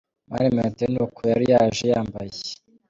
Mani Martin ni uko yari yaje yambaye.